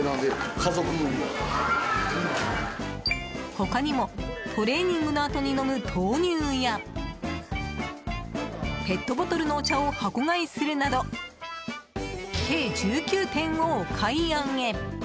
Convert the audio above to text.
他にもトレーニングのあとに飲む豆乳やペットボトルのお茶を箱買いするなど計１９点をお買い上げ。